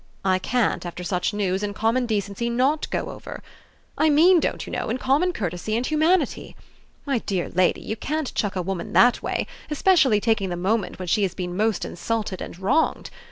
"I can't, after such news, in common decency not go over. I mean, don't you know, in common courtesy and humanity. My dear lady, you can't chuck a woman that way, especially taking the moment when she has been most insulted and wronged.